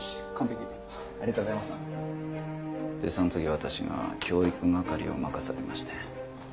でその時私が教育係を任されまして。